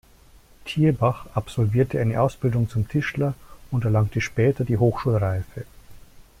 Thierbach absolvierte eine Ausbildung zum Tischler und erlangte später die Hochschulreife.